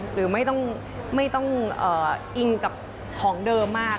หรือไม่ต้องอิงกับของเดิมมาก